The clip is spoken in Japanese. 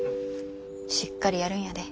しっかりやるんやで。